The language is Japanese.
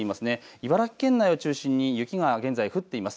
茨城県内を中心に雪が現在、降っています。